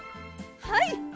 はい！